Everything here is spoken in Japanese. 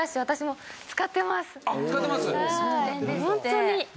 ホントに。